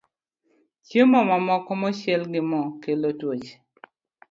Chiemo mamoko mochiel gi mo kelo tuoche